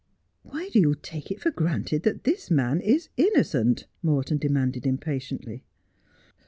' Why do you take it for granted that this man is innocent 1 ' Morton demanded impatiently.